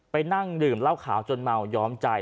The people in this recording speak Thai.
ไปนั่งดื่มเล่าข่าวจนเมายอมใจ